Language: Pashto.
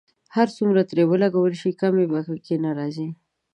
هر څومره ترې ولګول شي کمی په کې نه راځي.